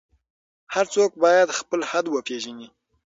هر څوک باید خپل حد وپیژني.